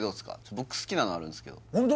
僕好きなのあるんですけどホント？